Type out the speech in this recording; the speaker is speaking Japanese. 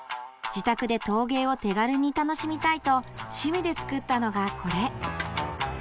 自宅で陶芸を手軽に楽しみたいと趣味で作ったのがこれ。